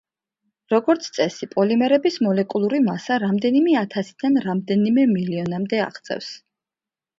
როგორც წესი, პოლიმერების მოლეკულური მასა რამდენიმე ათასიდან რამდენიმე მილიონამდე აღწევს.